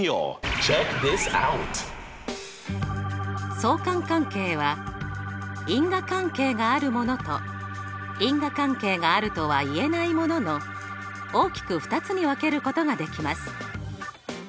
相関関係は因果関係があるものと因果関係があるとはいえないものの大きく２つに分けることができます。